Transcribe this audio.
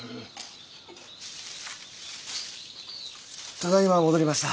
ただいま戻りました。